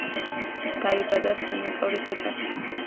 დაიბადა სენატორის ოჯახში.